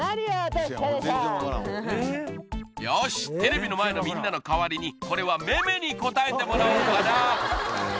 よしテレビの前のみんなの代わりにこれはめめに答えてもらおうかなえ